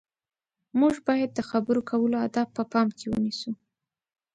موږ باید د خبرو کولو اداب په پام کې ونیسو.